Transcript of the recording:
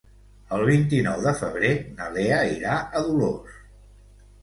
El vint-i-nou de febrer na Lea irà a Dolors.